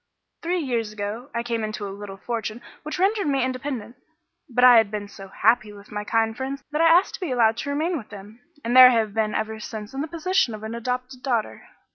"Three years ago I came into a little fortune which rendered me independent; but I had been so happy with my kind friends that I asked to be allowed to remain with them, and there I have been ever since in the position of an adopted daughter.